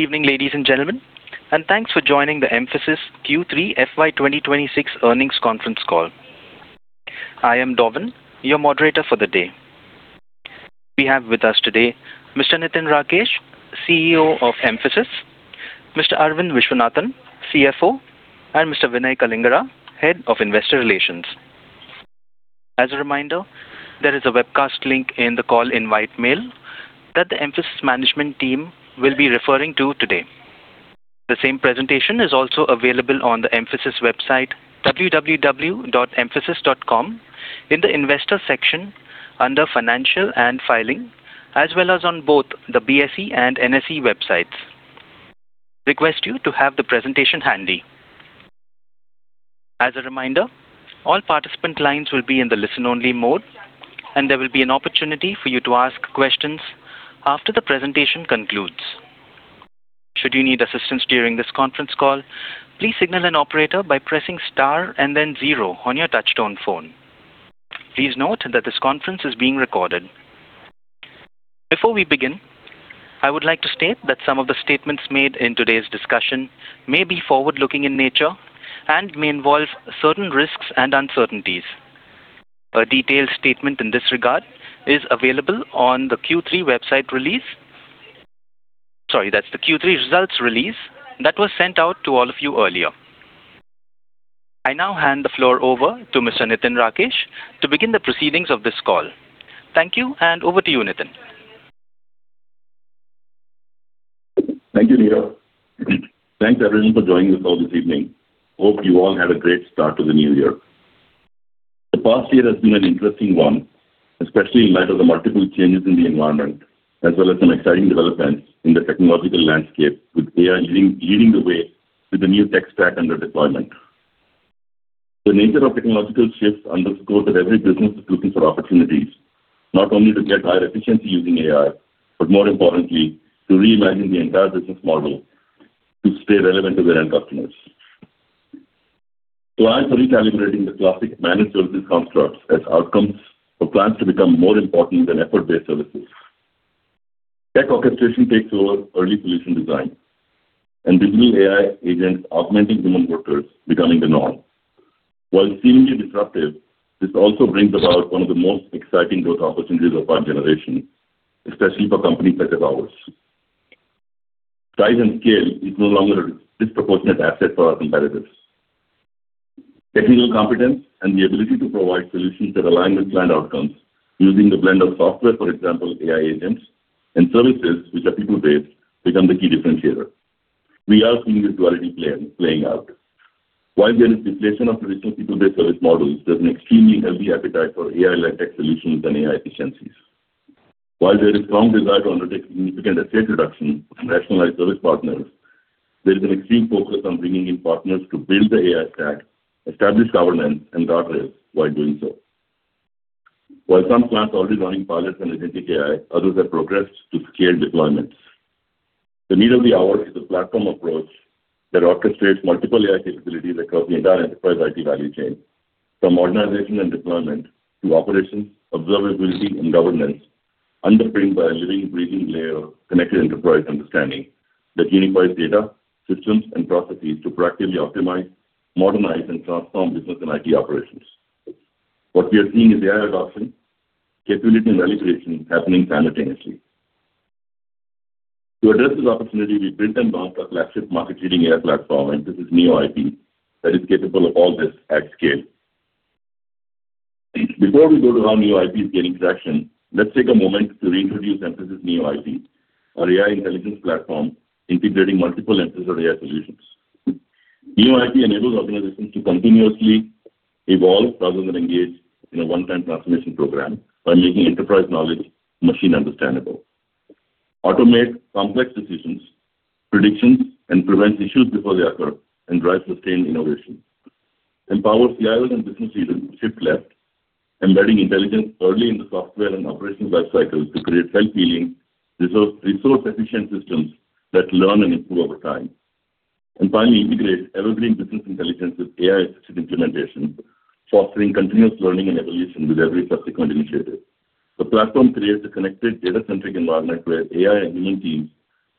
Good evening, ladies and gentlemen, and thanks for joining the Mphasis Q3 FY 2026 earnings conference call. I am Neela, your moderator for the day. We have with us today Mr. Nitin Rakesh, CEO of Mphasis, Mr. Aravind Viswanathan, CFO, and Mr. Vinay Kalingara, Head of Investor Relations. As a reminder, there is a webcast link in the call invite mail that the Mphasis management team will be referring to today. The same presentation is also available on the Mphasis website, www.mphasis.com, in the Investor section under Financial and Filing, as well as on both the BSE and NSE websites. We request you to have the presentation handy. As a reminder, all participant lines will be in the listen-only mode, and there will be an opportunity for you to ask questions after the presentation concludes. Should you need assistance during this conference call, please signal an operator by pressing star and then zero on your touch-tone phone. Please note that this conference is being recorded. Before we begin, I would like to state that some of the statements made in today's discussion may be forward-looking in nature and may involve certain risks and uncertainties. A detailed statement in this regard is available on the Q3 website release, sorry, that's the Q3 results release that was sent out to all of you earlier. I now hand the floor over to Mr. Nitin Rakesh to begin the proceedings of this call. Thank you, and over to you, Nitin. Thank you, Neela. Thanks, everyone, for joining us all this evening. Hope you all have a great start to the new year. The past year has been an interesting one, especially in light of the multiple changes in the environment, as well as some exciting developments in the technological landscape, with AI leading the way with the new tech stack under deployment. The nature of technological shifts underscores that every business is looking for opportunities, not only to get higher efficiency using AI, but more importantly, to reimagine the entire business model to stay relevant to their end customers. Plans for recalibrating the classic managed services constructs as outcomes for plans to become more important than effort-based services. Tech orchestration takes over early solution design, and digital AI agents augmenting human workers becoming the norm. While seemingly disruptive, this also brings about one of the most exciting growth opportunities of our generation, especially for companies such as ours. Size and scale is no longer a disproportionate asset for our competitors. Technical competence and the ability to provide solutions that align with planned outcomes using the blend of software, for example, AI agents, and services which are people-based become the key differentiator. We are seeing this duality playing out. While there is deflation of traditional people-based service models, there's an extremely healthy appetite for AI-led tech solutions and AI efficiencies. While there is a strong desire to undertake significant estate reduction and rationalize service partners, there is an extreme focus on bringing in partners to build the AI stack, establish governance, and guardrails while doing so. While some plants are already running pilots and Agentic AI, others have progressed to scaled deployments. The meat of the hour is a platform approach that orchestrates multiple AI capabilities across the entire enterprise IT value chain, from organization and deployment to operations, observability, and governance, underpinned by a living, breathing layer of connected enterprise understanding that unifies data, systems, and processes to proactively optimize, modernize, and transform business and IT operations. What we are seeing is AI adoption, capability, and value creation happening simultaneously. To address this opportunity, we built and launched a flagship market-leading AI platform, Mphasis NeoIP, that is capable of all this at scale. Before we go to how NeoIP is gaining traction, let's take a moment to reintroduce Mphasis NeoIP, our AI intelligence platform integrating multiple Mphasis AI solutions. NeoIP enables organizations to continuously evolve rather than engage in a one-time transformation program by making enterprise knowledge machine-understandable. Automate complex decisions, predictions, and prevent issues before they occur and drive sustained innovation. Empower CIOs and business leaders to shift left, embedding intelligence early in the software and operations lifecycle to create self-healing, resource-efficient systems that learn and improve over time. And finally, integrate evergreen business intelligence with AI-assisted implementations, fostering continuous learning and evolution with every subsequent initiative. The platform creates a connected, data-centric environment where AI and human teams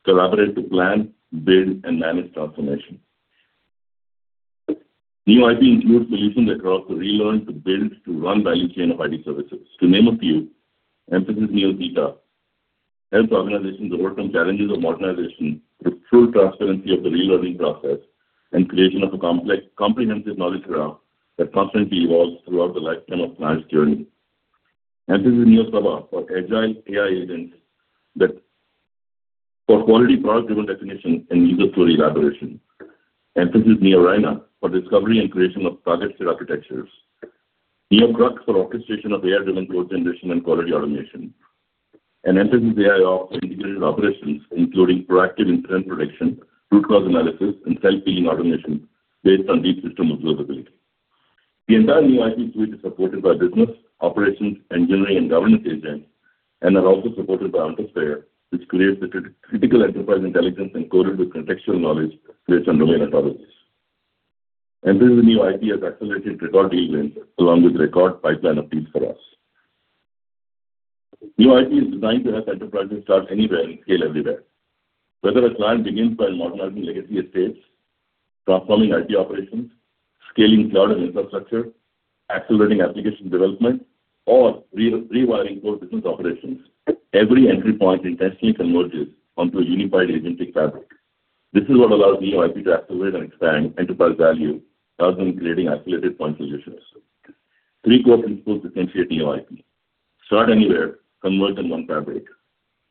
collaborate to plan, build, and manage transformation. NeoIP includes solutions that allow us to relearn, to build, to run value chain of IT services. To name a few, Mphasis NeoGita helps organizations overcome challenges of modernization through full transparency of the relearning process and creation of a comprehensive knowledge graph that constantly evolves throughout the lifetime of the client's journey. Mphasis NeoSava for agile AI agents that support quality product-driven definition and user story elaboration. Mphasis NeoRhino for discovery and creation of targeted architectures. NeoKrux for orchestration of AI-driven growth generation and quality automation. Mphasis AIOps for integrated operations, including proactive incident prediction, root cause analysis, and self-healing automation based on deep system observability. The entire NeoIP suite is supported by business, operations, engineering, and governance agents and are also supported by OntaSphere, which creates the critical enterprise intelligence encoded with contextual knowledge based on domain methodologies. Mphasis NeoIP has accelerated record deal wins along with record pipeline of deals for us. NeoIP is designed to help enterprises start anywhere and scale everywhere. Whether a client begins by modernizing legacy estates, transforming IT operations, scaling cloud and infrastructure, accelerating application development, or rewiring core business operations, every entry point intentionally converges onto a unified agentic fabric. This is what allows NeoIP to accelerate and expand enterprise value rather than creating isolated point solutions. Three core principles differentiate NeoIP: start anywhere, converge on one fabric.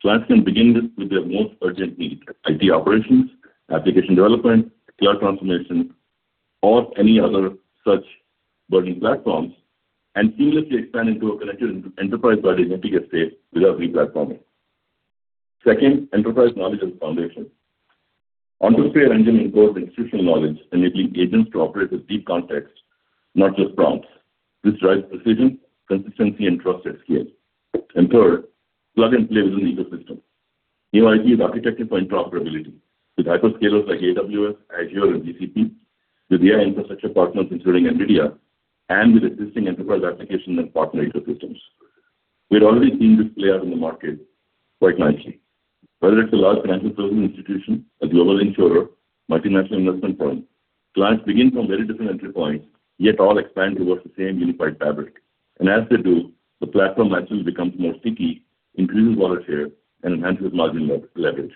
Clients can begin this with their most urgent need: IT operations, application development, cloud transformation, or any other such burdened platforms, and seamlessly expand into a connected enterprise-by-digital estate without replatforming. Second, enterprise knowledge as a foundation. OntaSphere engine encodes institutional knowledge, enabling agents to operate with deep context, not just prompts. This drives precision, consistency, and trust at scale. And third, plug and play within the ecosystem. NeoIP is architected for interoperability with hyperscalers like AWS, Azure, and GCP, with AI infrastructure partners including NVIDIA, and with existing enterprise applications and partner ecosystems. We're already seeing this play out in the market quite nicely. Whether it's a large financial services institution, a global insurer, multinational investment firm, clients begin from very different entry points, yet all expand towards the same unified fabric. And as they do, the platform naturally becomes more sticky, increases wallet share, and enhances margin leverage.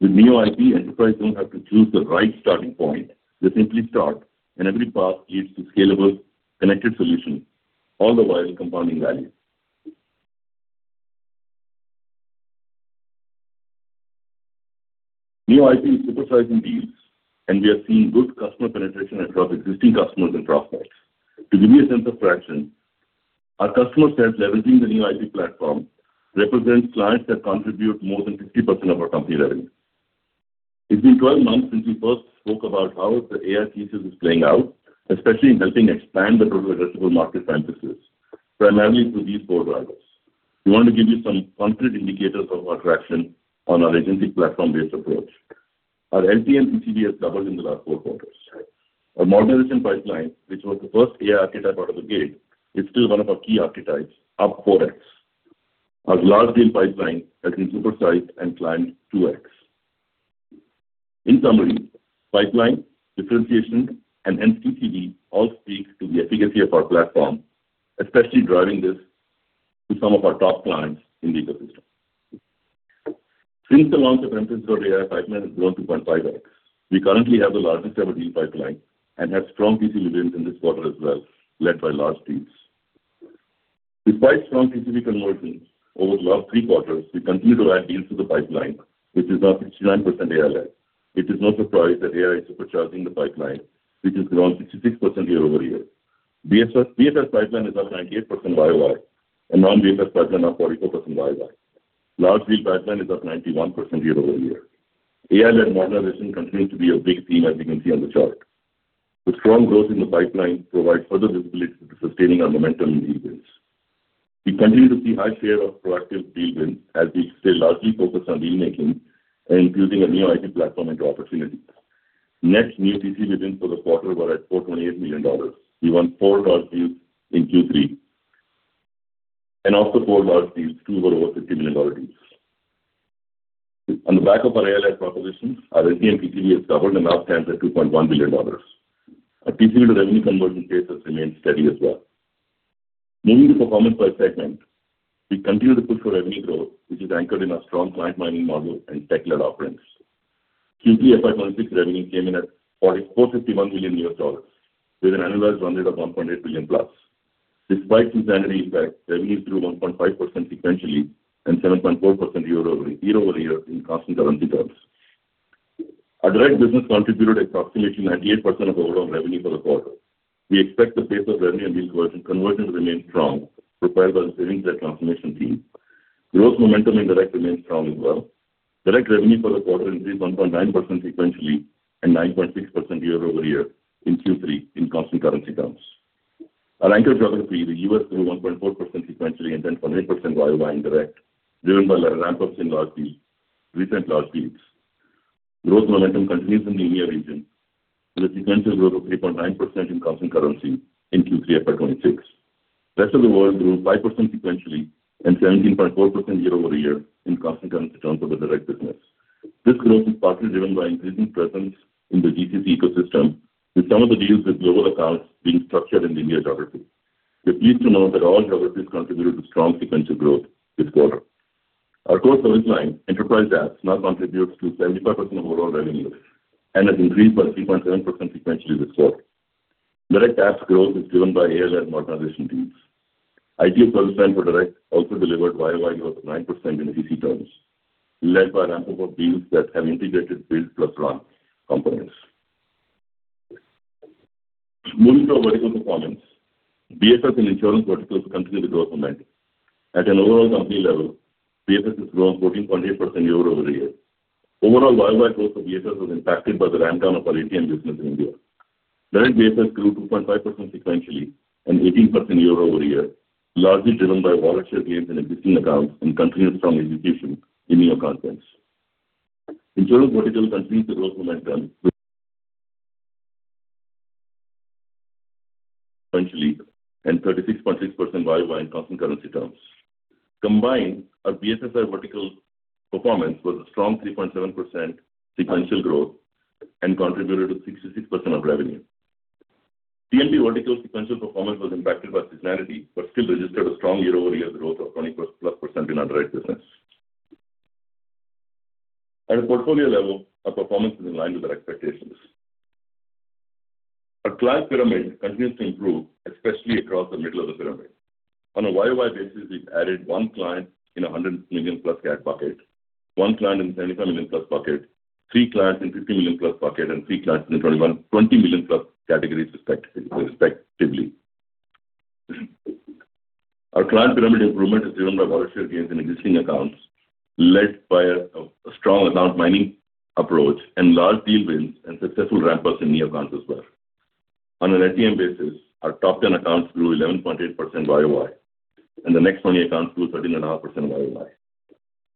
With NeoIP, enterprises don't have to choose the right starting point. They simply start, and every path leads to scalable, connected solutions, all the while compounding value. NeoIP is supersizing deals, and we are seeing good customer penetration across existing customers and prospects. To give you a sense of traction, our customer base leveraging the NeoIP platform represents clients that contribute more than 50% of our company revenue. It's been 12 months since we first spoke about how the AI piece is playing out, especially in helping expand the total addressable market for Mphasis, primarily through these four drivers. We want to give you some concrete indicators of our traction on our agentic platform-based approach. Our LTM TCV has doubled in the last four quarters. Our modernization pipeline, which was the first AI archetype out of the gate, is still one of our key archetypes, up 4x. Our large deal pipeline has been supersized and climbed 2x. In summary, pipeline, differentiation, and hence ECD all speak to the efficacy of our platform, especially driving this to some of our top clients in the ecosystem. Since the launch of Mphasis AI, the pipeline has grown 2.5x. We currently have the largest ever deal pipeline and have strong TCV wins in this quarter as well, led by large deals. Despite strong TCV conversions over the last three quarters, we continue to add deals to the pipeline, which is now 69% AI-led. It is no surprise that AI is supercharging the pipeline, which has grown 66% year over year. BFSI pipeline is up 98% YOY, and non-BFSI pipeline up 44% YOY. Large deal pipeline is up 91% year over year. AI-led modernization continues to be a big theme, as you can see on the chart. The strong growth in the pipeline provides further visibility to sustaining our momentum in deal wins. We continue to see a high share of proactive deal wins as we stay largely focused on deal-making and infusing a NeoIP platform into opportunities. Net new PCB wins for the quarter were at $428 million. We won four large deals in Q3, and of the four large deals, two were over $50 million deals. On the back of our AI-led proposition, our LTM PCB has doubled and now stands at $2.1 billion. Our PCB-to-revenue conversion cases remain steady as well. Moving to performance by segment, we continue to push for revenue growth, which is anchored in our strong client-minded model and tech-led offerings. Q3 FY26 revenue came in at $451 million, with an annualized run rate of $1.8 billion plus. Despite seasonality effects, revenues grew 1.5% sequentially and 7.4% year over year in constant currency terms. Our direct business contributed approximately 98% of overall revenue for the quarter. We expect the pace of revenue and deal conversion to remain strong, propelled by the savings and transformation team. Gross momentum in direct remains strong as well. Direct revenue for the quarter increased 1.9% sequentially and 9.6% year over year in Q3 in constant currency terms. Our anchor geography, the US, grew 1.4% sequentially and 10.8% YOY in direct, driven by our ramp-ups in recent large deals. Growth momentum continues in the EMEA region, with a sequential growth of 3.9% in constant currency in Q3 FY26. The rest of the world grew 5% sequentially and 17.4% year over year in constant currency terms for the direct business. This growth is partly driven by increasing presence in the GCC ecosystem, with some of the deals with global accounts being structured in the EMEA geography. We're pleased to note that all geographies contributed to strong sequential growth this quarter. Our core service line, enterprise apps, now contributes to 75% of overall revenue and has increased by 3.7% sequentially this quarter. Direct apps growth is driven by AI-led modernization teams. ITO service line for direct also delivered YOY growth of 9% in GCC terms, led by ramp-up of deals that have integrated build plus run components. Moving to our vertical performance, BFS and insurance verticals continue to grow tremendously. At an overall company level, BFS has grown 14.8% year over year. Overall YOY growth for BFS was impacted by the rundown of our ATM business in India. Direct BFS grew 2.5% sequentially and 18% year over year, largely driven by wallet share gains in existing accounts and continued strong execution in NeoConfluence. Insurance vertical continues to grow momentum sequentially and 36.6% YOY in constant currency terms. Combined, our BFSI vertical performance was a strong 3.7% sequential growth and contributed to 66% of revenue. T&P vertical sequential performance was impacted by seasonality, but still registered a strong year-over-year growth of 20-plus% in underwrite business. At a portfolio level, our performance is in line with our expectations. Our client pyramid continues to improve, especially across the middle of the pyramid. On a YOY basis, we've added one client in a 100 million plus CAC bucket, one client in the 75 million plus bucket, three clients in the 50 million plus bucket, and three clients in the 20 million plus categories respectively. Our client pyramid improvement is driven by wallet share gains in existing accounts, led by a strong account-minding approach and large deal wins and successful ramp-ups in NeoConf as well. On an LTM basis, our top 10 accounts grew 11.8% YOY, and the next 20 accounts grew 13.5% YOY.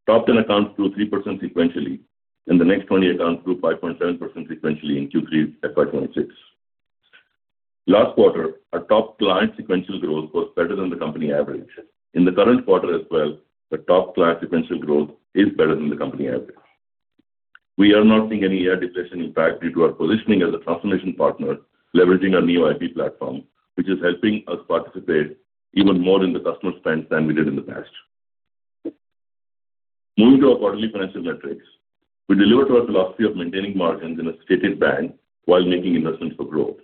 Top 10 accounts grew 3% sequentially, and the next 20 accounts grew 5.7% sequentially in Q3 FY26. Last quarter, our top client sequential growth was better than the company average. In the current quarter as well, the top client sequential growth is better than the company average. We are not seeing any AI depletion impact due to our positioning as a transformation partner, leveraging our NeoIP platform, which is helping us participate even more in the customer spend than we did in the past. Moving to our quarterly financial metrics, we delivered our philosophy of maintaining margins in a stated band while making investments for growth.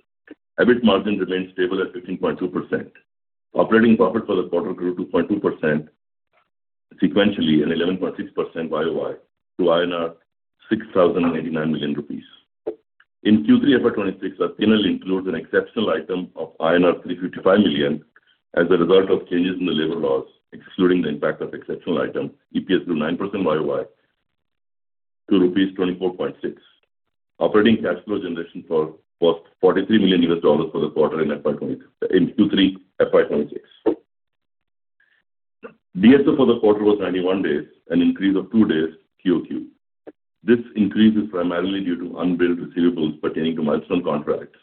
EBIT margin remained stable at 15.2%. Operating profit for the quarter grew 2.2% sequentially and 11.6% YOY to 6,089 million rupees. In Q3 FY26, our P&L includes an exceptional item of INR 355 million as a result of changes in the labor laws, excluding the impact of exceptional item. EPS grew 9% YOY to rupees 24.6. Operating cash flow generation was $43 million for the quarter in Q3 FY26. DSO for the quarter was 91 days, an increase of two days QOQ. This increase is primarily due to unbilled receivables pertaining to milestone contracts.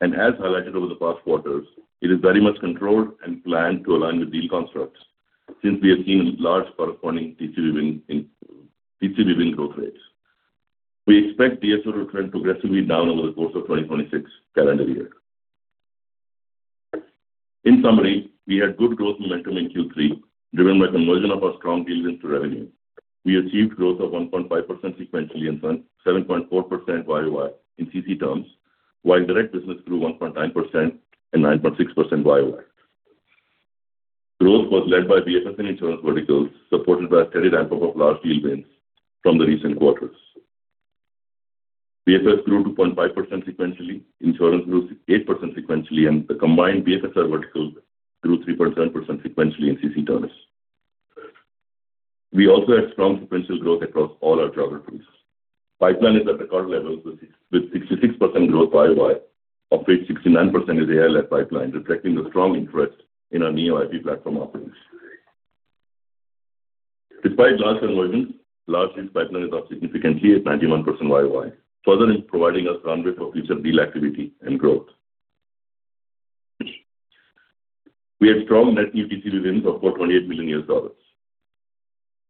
And as highlighted over the past quarters, it is very much controlled and planned to align with deal constructs since we have seen large corresponding TCV win growth rates. We expect DSO to trend progressively down over the course of 2026 calendar year. In summary, we had good growth momentum in Q3, driven by conversion of our strong deal wins to revenue. We achieved growth of 1.5% sequentially and 7.4% YOY in CC terms, while direct business grew 1.9% and 9.6% YOY. Growth was led by BFS and insurance verticals, supported by a steady ramp-up of large deal wins from the recent quarters. BFS grew 2.5% sequentially, insurance grew 8% sequentially, and the combined BFSI verticals grew 3.7% sequentially in CC terms. We also had strong sequential growth across all our geographies. Pipeline is at the current levels with 66% growth YOY, of which 69% is AI-led pipeline, reflecting the strong interest in our NeoIP platform operations. Despite large conversions, large deals pipeline is up significantly at 91% YOY, further providing us runway for future deal activity and growth. We had strong net new TCV wins of $428 million,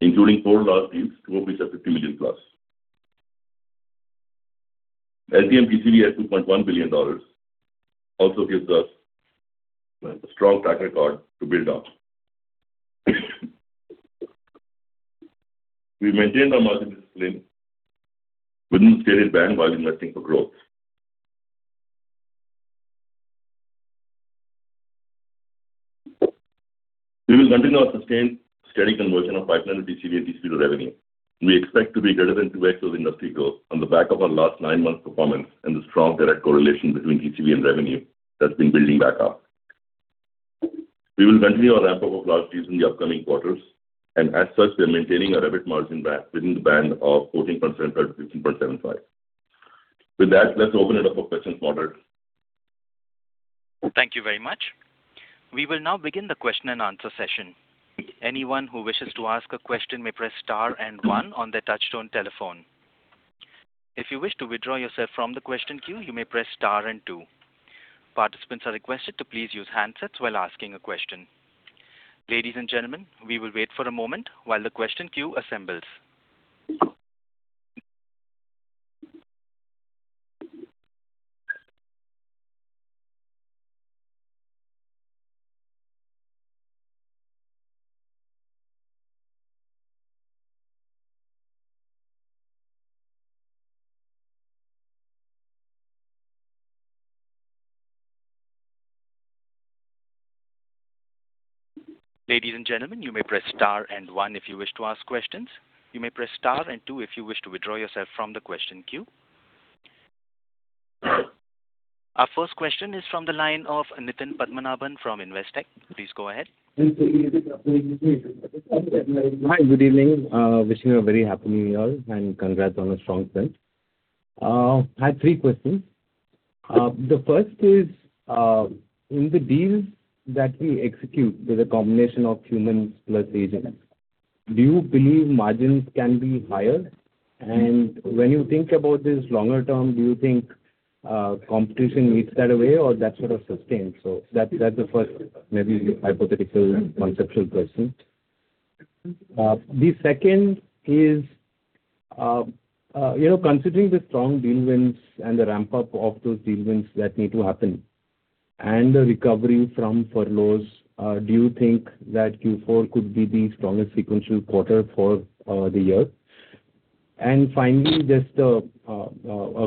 including four large deals, two of which are 50 million plus. LTM TCV at $2.1 billion also gives us a strong track record to build on. We maintained our margin discipline within the stated band while investing for growth. We will continue our sustained steady conversion of pipeline and TCV and GCP to revenue. We expect to be greater than 2X of industry growth on the back of our last nine months' performance and the strong direct correlation between TCV and revenue that's been building back up. We will continue our ramp-up of large deals in the upcoming quarters, and as such, we are maintaining our EBIT margin within the band of 14.75%-15.75%. With that, let's open it up for questions moderated. Thank you very much. We will now begin the question and answer session. Anyone who wishes to ask a question may press star and one on their touch-tone telephone. If you wish to withdraw yourself from the question queue, you may press star and two. Participants are requested to please use handsets while asking a question. Ladies and gentlemen, we will wait for a moment while the question queue assembles. Ladies and gentlemen, you may press star and one if you wish to ask questions. You may press star and two if you wish to withdraw yourself from the question queue. Our first question is from the line of Nitin Padmanabhan from Investec. Please go ahead. Hi, good evening. Wishing you a very happy New Year and congrats on a strong sprint. I had three questions. The first is, in the deals that we execute with a combination of humans plus agents, do you believe margins can be higher? And when you think about this longer term, do you think competition eats that away or that sort of sustained? So that's the first maybe hypothetical conceptual question. The second is, considering the strong deal wins and the ramp-up of those deal wins that need to happen and the recovery from furloughs, do you think that Q4 could be the strongest sequential quarter for the year? And finally, just a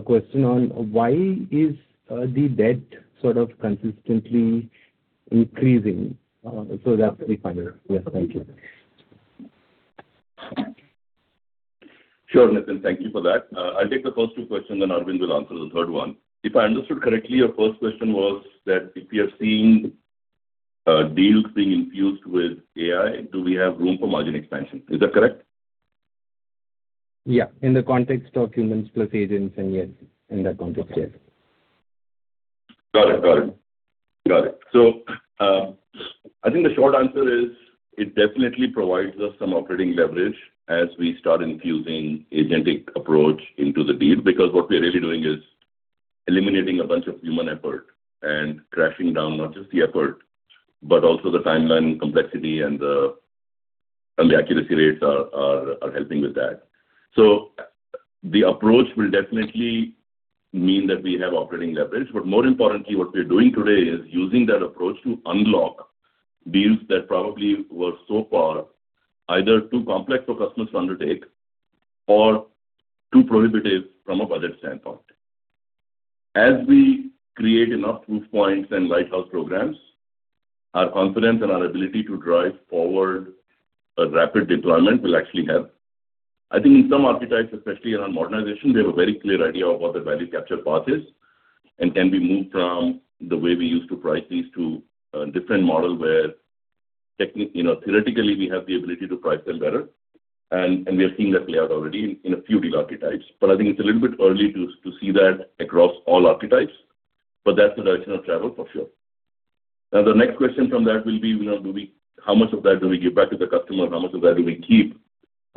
question on why is the debt sort of consistently increasing? So that's the final question. Thank you. Sure, Nitin, thank you for that. I'll take the first two questions, then Arvind will answer the third one. If I understood correctly, your first question was that if we are seeing deals being infused with AI, do we have room for margin expansion? Is that correct? Yeah, in the context of humans plus agents, and yes, in that context, yes. Got it. Got it. Got it. So I think the short answer is it definitely provides us some operating leverage as we start infusing agentic approach into the deal because what we are really doing is eliminating a bunch of human effort and crashing down not just the effort, but also the timeline complexity and the accuracy rates are helping with that. So the approach will definitely mean that we have operating leverage, but more importantly, what we are doing today is using that approach to unlock deals that probably were so far either too complex for customers to undertake or too prohibitive from a budget standpoint. As we create enough proof points and lighthouse programs, our confidence and our ability to drive forward a rapid deployment will actually help. I think in some archetypes, especially around modernization, they have a very clear idea of what the value capture path is and can be moved from the way we used to price these to a different model where theoretically we have the ability to price them better. And we are seeing that play out already in a few deal archetypes. But I think it's a little bit early to see that across all archetypes, but that's the direction of travel for sure. Now, the next question from that will be, how much of that do we give back to the customer? How much of that do we keep?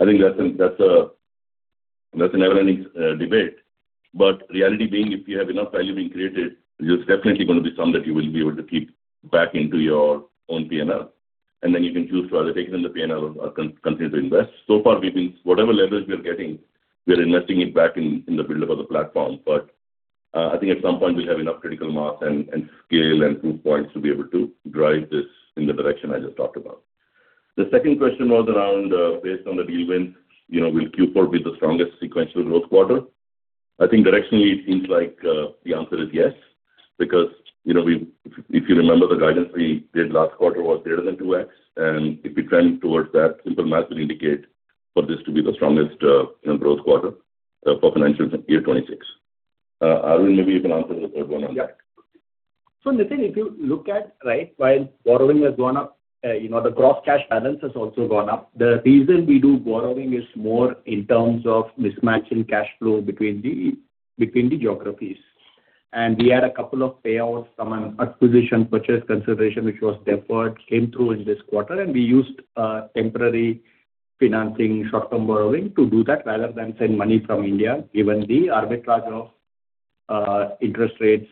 I think that's a never-ending debate. But reality being, if you have enough value being created, there's definitely going to be some that you will be able to keep back into your own P&L. And then you can choose to either take it in the P&L or continue to invest. So far, whatever leverage we are getting, we are investing it back in the buildup of the platform. But I think at some point we'll have enough critical mass and scale and proof points to be able to drive this in the direction I just talked about. The second question was around, based on the deal wins, will Q4 be the strongest sequential growth quarter? I think directionally, it seems like the answer is yes because if you remember, the guidance we did last quarter was greater than 2X, and if we trend towards that, simple math would indicate for this to be the strongest growth quarter for financial year 2026. Aravind, maybe you can answer the third one on that. so Nitin, if you look at, right, while borrowing has gone up, the gross cash balance has also gone up. The reason we do borrowing is more in terms of mismatch in cash flow between the geographies, and we had a couple of payouts from an acquisition purchase consideration, which was deferred, came through in this quarter, and we used temporary financing short-term borrowing to do that rather than send money from India, given the arbitrage of interest rates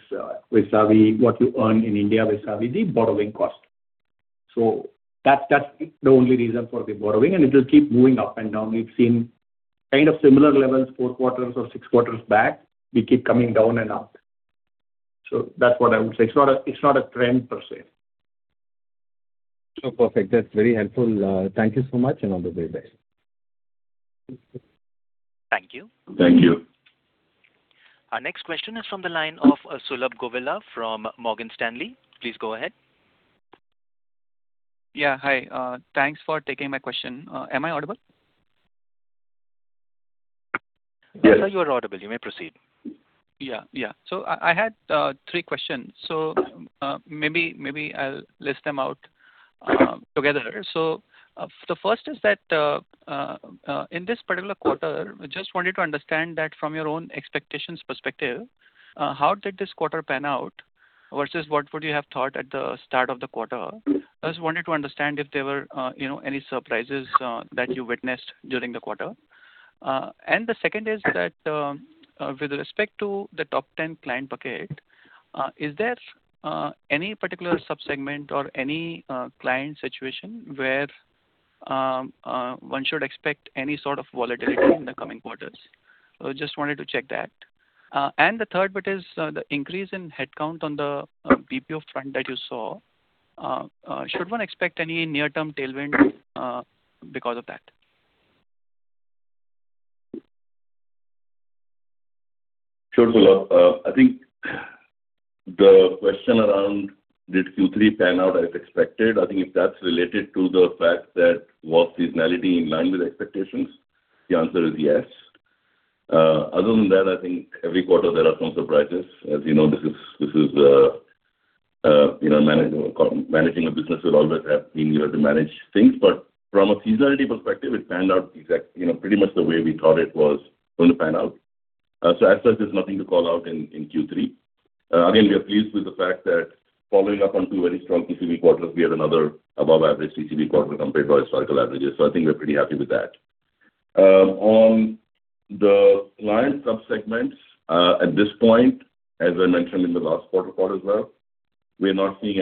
with what you earn in India with the borrowing cost. So that's the only reason for the borrowing. And it will keep moving up and down. We've seen kind of similar levels four quarters or six quarters back. We keep coming down and up. So that's what I would say. It's not a trend per se. So perfect. That's very helpful. Thank you so much, and all the very best. Thank you. Thank you. Our next question is from the line of Sulabh Govila from Morgan Stanley. Please go ahead. Yeah, hi. Thanks for taking my question. Am I audible? Yes. I thought you were audible. You may proceed. Yeah. Yeah. So I had three questions. So maybe I'll list them out together. So the first is that in this particular quarter, I just wanted to understand that from your own expectations perspective, how did this quarter pan out versus what would you have thought at the start of the quarter? I just wanted to understand if there were any surprises that you witnessed during the quarter? And the second is that with respect to the top 10 client bucket, is there any particular subsegment or any client situation where one should expect any sort of volatility in the coming quarters? So I just wanted to check that. And the third bit is the increase in headcount on the BPO front that you saw. Should one expect any near-term tailwind because of that? Sure, Sulabh. I think the question around did Q3 pan out as expected?I think if that's related to the fact that was seasonality in line with expectations, the answer is yes. Other than that, I think every quarter there are some surprises. As you know, this is managing a business will always have been here to manage things. But from a seasonality perspective, it panned out pretty much the way we thought it was going to pan out. So as such, there's nothing to call out in Q3. Again, we are pleased with the fact that following up on two very strong TCV quarters, we had another above-average TCV quarter compared to our historical averages. So I think we're pretty happy with that. On the client subsegments, at this point, as I mentioned in the last quarter as well, we are not seeing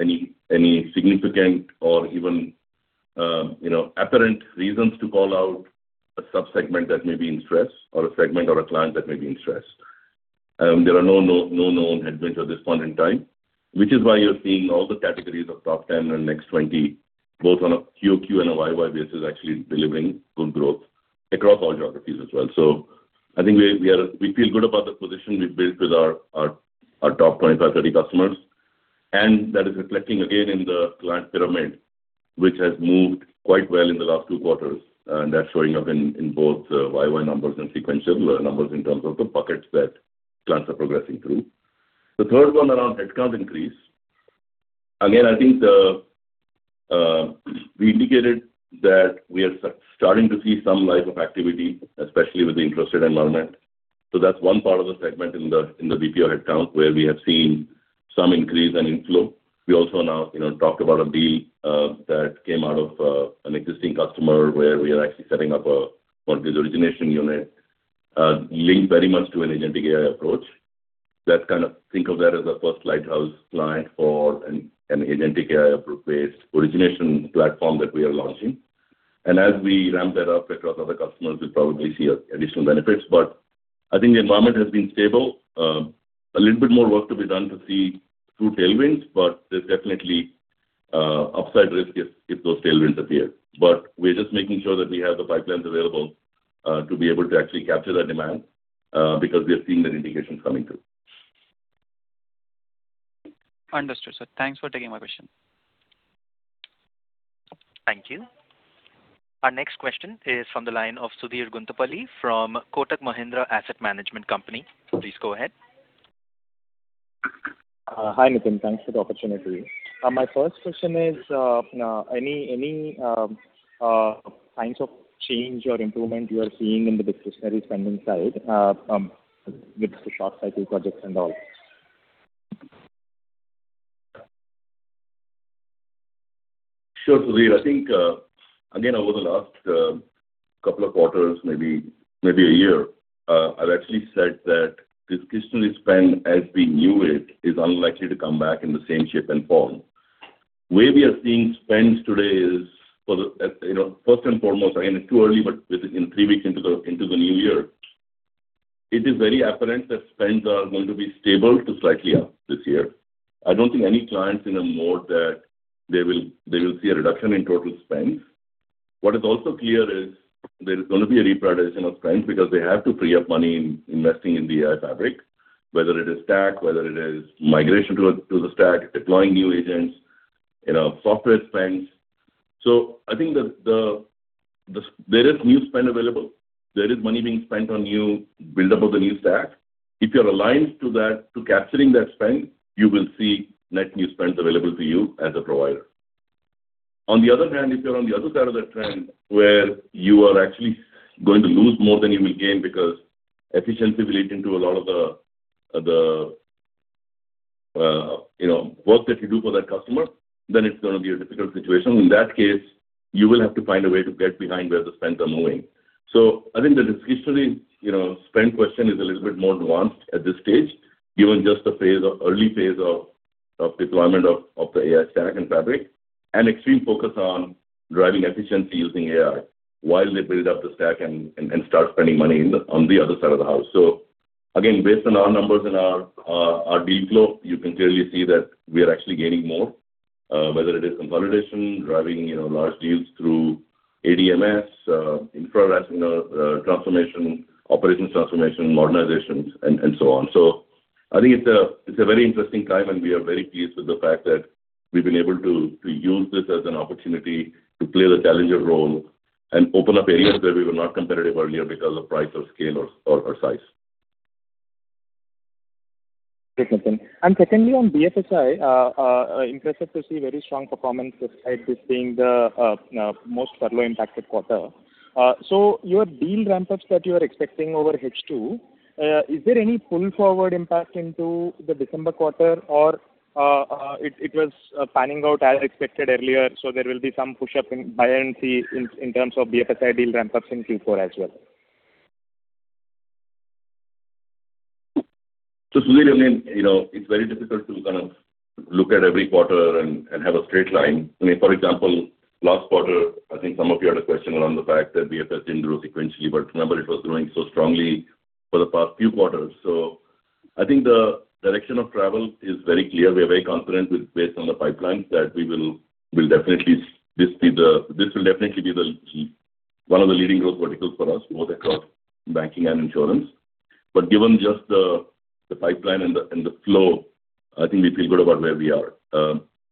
any significant or even apparent reasons to call out a subsegment that may be in stress or a segment or a client that may be in stress. There are no known headwinds at this point in time, which is why you're seeing all the categories of top 10 and next 20, both on a QOQ and a YY basis, actually delivering good growth across all geographies as well. So I think we feel good about the position we've built with our top 25, 30 customers. And that is reflecting again in the client pyramid, which has moved quite well in the last two quarters. And that's showing up in both YY numbers and sequential numbers in terms of the buckets that clients are progressing through. The third one around headcount increase. Again, I think we indicated that we are starting to see some lift in activity, especially with the hiring environment. So that's one part of the segment in the BPO headcount where we have seen some increase and inflow. We also now talked about a deal that came out of an existing customer where we are actually setting up a quantitative origination unit linked very much to an Agentic AI approach. Let's kind of think of that as a first lighthouse client for an Agentic AI-based origination platform that we are launching. And as we ramp that up across other customers, we'll probably see additional benefits. But I think the environment has been stable. A little bit more work to be done to see true tailwinds, but there's definitely upside risk if those tailwinds appear. But we're just making sure that we have the pipelines available to be able to actually capture that demand because we are seeing that indication coming through. Understood. So thanks for taking my question. Thank you. Our next question is from the line of Sudhir Guntupalli from Kotak Mahindra Asset Management Company. Please go ahead. Hi, Nitin. Thanks for the opportunity. My first question is, any signs of change or improvement you are seeing in the business spending side with the short-cycle projects and all? Sure, Sudhir. I think, again, over the last couple of quarters, maybe a year, I've actually said that discretionary spend, as we knew it, is unlikely to come back in the same shape and form. The way we are seeing spend today is, first and foremost, again, it's too early, but within three weeks into the new year, it is very apparent that spends are going to be stable to slightly up this year. I don't think any clients are in a mode that they will see a reduction in total spend. What is also clear is there is going to be a reprioritization of spend because they have to free up money investing in the AI fabric, whether it is stack, whether it is migration to the stack, deploying new agents, software spends. So I think there is new spend available. There is money being spent on buildup of the new stack. If you're aligned to that, to capturing that spend, you will see net new spend available to you as a provider. On the other hand, if you're on the other side of that trend where you are actually going to lose more than you will gain because efficiency relating to a lot of the work that you do for that customer, then it's going to be a difficult situation. In that case, you will have to find a way to get behind where the spends are moving. So I think the discretionary spend question is a little bit more nuanced at this stage, given just the early phase of deployment of the AI stack and fabric and extreme focus on driving efficiency using AI while they build up the stack and start spending money on the other side of the house. So again, based on our numbers and our deal flow, you can clearly see that we are actually gaining more, whether it is consolidation, driving large deals through ADMS, infrastructure transformation, operations transformation, modernizations, and so on. So I think it's a very interesting time, and we are very pleased with the fact that we've been able to use this as an opportunity to play the challenger role and open up areas where we were not competitive earlier because of price or scale or size. Thank you, Nitin. And secondly, on BFSI, impressive to see very strong performance this side, this being the most furlough-impacted quarter. So your deal ramp-ups that you are expecting over H2, is there any pull-forward impact into the December quarter, or it was panning out as expected earlier? So there will be some push up in BFSI in terms of BFSI deal ramp-ups in Q4 as well? So Sudhir, I mean, it's very difficult to kind of look at every quarter and have a straight line. I mean, for example, last quarter, I think some of you had a question around the fact that BFSI grew sequentially, but remember, it was growing so strongly for the past few quarters. So I think the direction of travel is very clear. We are very confident based on the pipelines that we will definitely—this will definitely be one of the leading growth verticals for us, both across banking and insurance. But given just the pipeline and the flow, I think we feel good about where we are.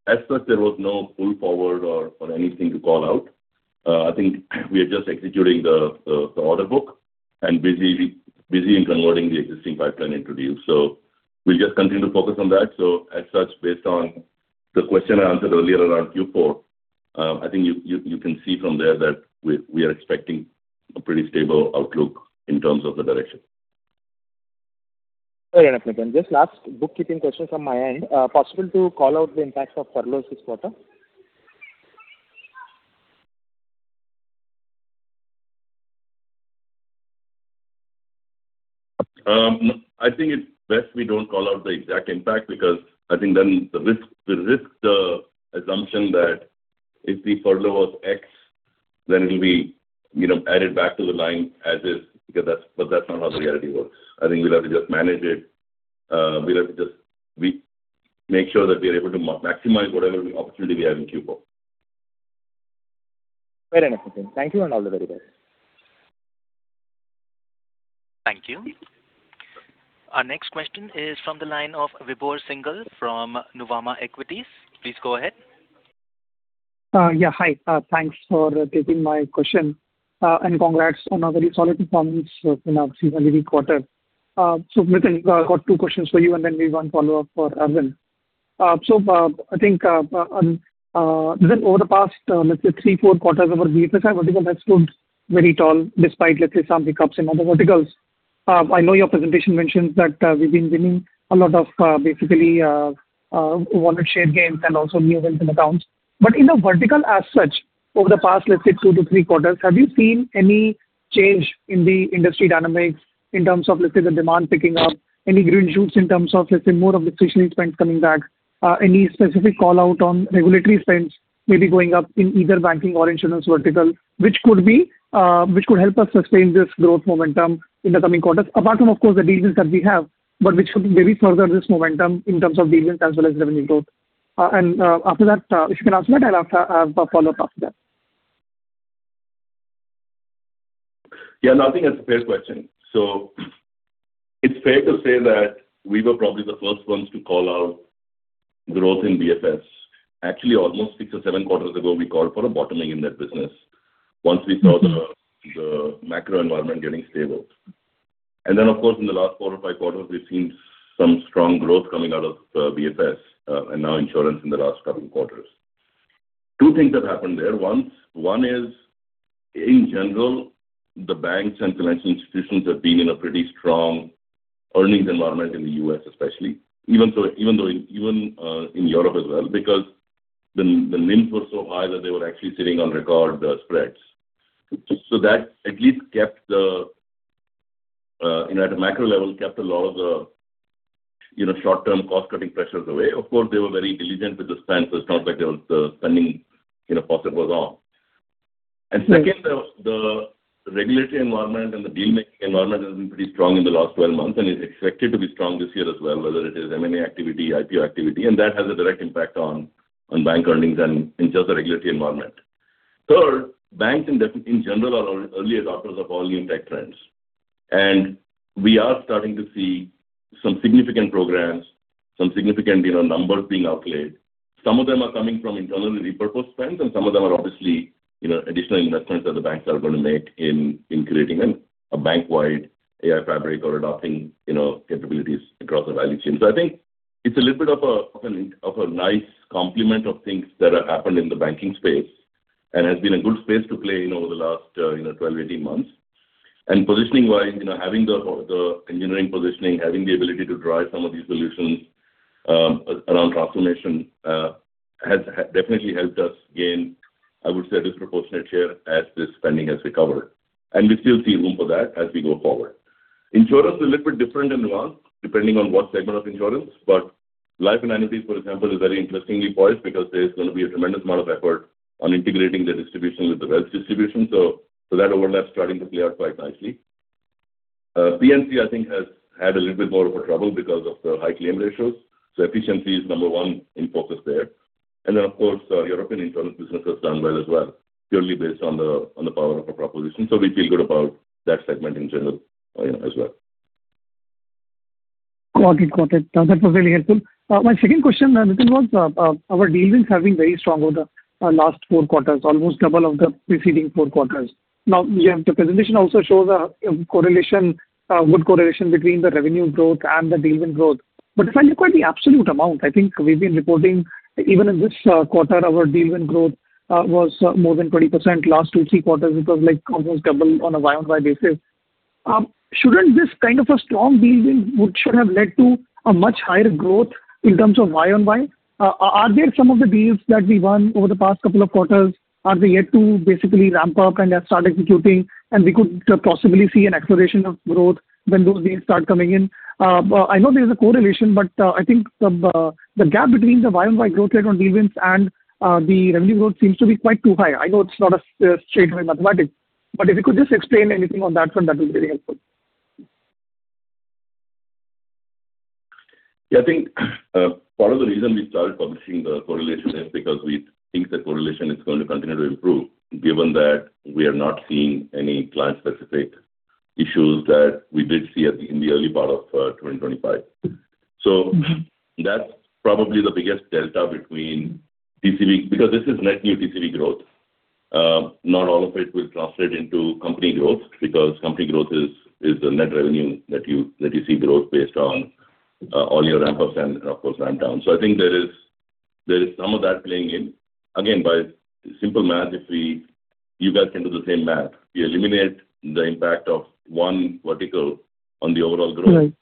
As such, there was no pull-forward or anything to call out. I think we are just executing the order book and busy in converting the existing pipeline into deals, so we'll just continue to focus on that, so as such, based on the question I answered earlier around Q4, I think you can see from there that we are expecting a pretty stable outlook in terms of the direction. Fair enough, Nitin. Just last bookkeeping question from my end. Possible to call out the impacts of furloughs this quarter? I think it's best we don't call out the exact impact because I think then the risk assumption that if the furlough was X, then it'll be added back to the line as is, but that's not how the reality works. I think we'll have to just manage it. We'll have to just make sure that we are able to maximize whatever opportunity we have in Q4. Fair enough, Nitin. Thank you and all the very best. Thank you. Our next question is from the line of Vibhor Singhal from Nuvama Equities. Please go ahead. Yeah, hi. Thanks for taking my question. And congrats on a very solid performance in our seasonality quarter. So Nitin, I've got two questions for you, and then we've one follow-up for Arvind. So I think over the past, let's say, three, four quarters over BFSI vertical has stood very tall despite, let's say, some hiccups in other verticals. I know your presentation mentions that we've been winning a lot of basically wallet share gains and also new wins in accounts. But in a vertical as such, over the past, let's say, two to three quarters, have you seen any change in the industry dynamics in terms of, let's say, the demand picking up? Any green shoots in terms of, let's say, more of discretionary spend coming back? Any specific call-out on regulatory spends maybe going up in either banking or insurance vertical, which could help us sustain this growth momentum in the coming quarters? Apart from, of course, the deal wins that we have, but which could maybe further this momentum in terms of deal wins as well as revenue growth, and after that, if you can answer that, I'll have a follow-up after that. Yeah, that's a fair question, so it's fair to say that we were probably the first ones to call out growth in BFS. Actually, almost six or seven quarters ago, we called for a bottoming in that business once we saw the macro environment getting stable. Then, of course, in the last four or five quarters, we've seen some strong growth coming out of BFS and now insurance in the last couple of quarters. Two things have happened there. One is, in general, the banks and financial institutions have been in a pretty strong earnings environment in the U.S., especially, even in Europe as well, because the NIMs were so high that they were actually sitting on record spreads. So that at least, at a macro level, kept a lot of the short-term cost-cutting pressures away. Of course, they were very diligent with the spend, so it's not like the spending faucet was off. Second, the regulatory environment and the deal-making environment has been pretty strong in the last 12 months and is expected to be strong this year as well, whether it is M&A activity, IPO activity, and that has a direct impact on bank earnings and just the regulatory environment. Third, banks in general are early adopters of all new tech trends. We are starting to see some significant programs, some significant numbers being outlaid. Some of them are coming from internally repurposed spends, and some of them are obviously additional investments that the banks are going to make in creating a bank-wide AI fabric or adopting capabilities across the value chain. I think it's a little bit of a nice complement of things that have happened in the banking space and has been a good space to play in over the last 12-18 months. Positioning-wise, having the engineering positioning, having the ability to drive some of these solutions around transformation has definitely helped us gain, I would say, a disproportionate share as this spending has recovered. We still see room for that as we go forward. Insurance is a little bit different and nuanced depending on what segment of insurance, but life and annuities, for example, is very interestingly poised because there's going to be a tremendous amount of effort on integrating the distribution with the wealth distribution. That overlap's starting to play out quite nicely. P&C, I think, has had a little bit more of a trouble because of the high claim ratios. Efficiency is number one in focus there. Our European insurance business has done well as well, purely based on the power of our proposition. So we feel good about that segment in general as well. Got it. Got it. No, that was really helpful. My second question, Nitin, was our deal wins have been very strong over the last four quarters, almost double of the preceding four quarters. Now, the presentation also shows a good correlation between the revenue growth and the deal win growth. But if I look at the absolute amount, I think we've been reporting even in this quarter, our deal win growth was more than 20%. Last two, three quarters, it was almost double on a Y-on-Y basis. Shouldn't this kind of a strong deal win should have led to a much higher growth in terms of Y-on-Y? Are there some of the deals that we won over the past couple of quarters? Are they yet to basically ramp up and start executing? We could possibly see an acceleration of growth when those deals start coming in? I know there's a correlation, but I think the gap between the Y-o-Y growth rate on deal wins and the revenue growth seems to be quite too high. I know it's not a straightforward mathematics, but if you could just explain anything on that front, that would be very helpful. Yeah, I think part of the reason we started publishing the correlation is because we think the correlation is going to continue to improve given that we are not seeing any client-specific issues that we did see in the early part of 2025. So that's probably the biggest delta between TCV because this is net new TCV growth. Not all of it will translate into company growth because company growth is the net revenue that you see growth based on all your ramp-ups and, of course, ramp-downs. So I think there is some of that playing in. Again, by simple math, if you guys can do the same math, you eliminate the impact of one vertical on the overall growth,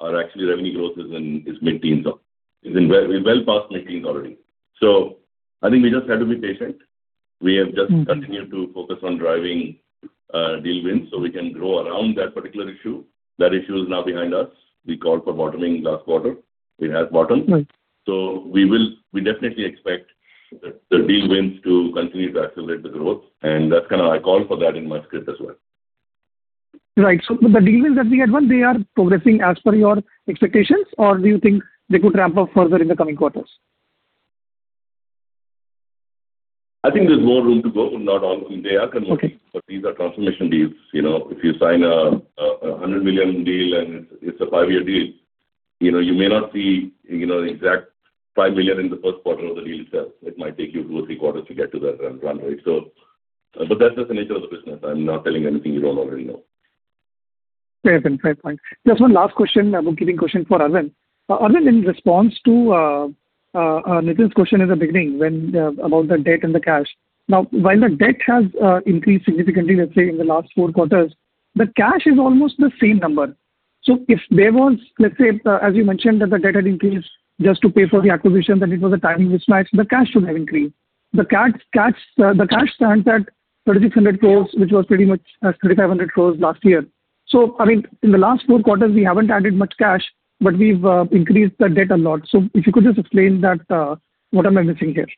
our actual revenue growth is mid-teens up. We're well past mid-teens already. So I think we just have to be patient. We have just continued to focus on driving deal wins so we can grow around that particular issue. That issue is now behind us. We called for bottoming last quarter. It has bottomed. So we definitely expect the deal wins to continue to accelerate the growth, and that's kind of my call for that in my script as well. Right. So the deal wins that we had, one, they are progressing as per your expectations, or do you think they could ramp up further in the coming quarters? I think there's more room to go. Not all of them are converting, but these are transformation deals. If you sign a 100 million deal and it's a five-year deal, you may not see the exact five million in the first quarter of the deal itself. It might take you two or three quarters to get to that run rate. But that's just the nature of the business. I'm not telling anything you don't already know. Fair enough. Fair point. Just one last question, bookkeeping question for Aravind. Aravind, in response to Nitin's question in the beginning about the debt and the cash, now, while the debt has increased significantly, let's say, in the last four quarters, the cash is almost the same number. So if there was, let's say, as you mentioned, that the debt had increased just to pay for the acquisition, then it was a timing mismatch. The cash should have increased. The cash stands at 3,600 crores, which was pretty much 3,500 crores last year. So, I mean, in the last four quarters, we haven't added much cash, but we've increased the debt a lot. So if you could just explain that, what am I missing here?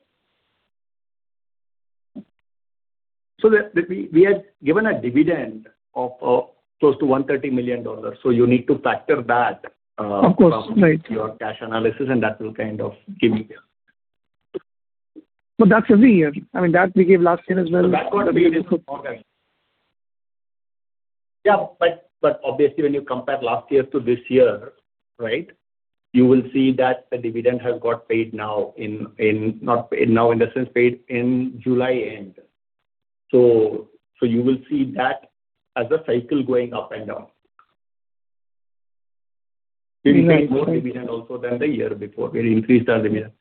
We had given a dividend of close to $130 million. You need to factor that into your cash analysis, and that will kind of give you the. But that's every year. I mean, that we gave last year as well. So that quarter we didn't forecast. Yeah, but obviously, when you compare last year to this year, right, you will see that the dividend has got paid now in, not paid now in the sense paid in July end. So you will see that as a cycle going up and down. We increased more dividend also than the year before. We increased our dividend.